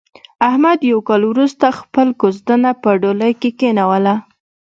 احمد یو کال ورسته خپله کوزدنه په ډولۍ کې کېنوله.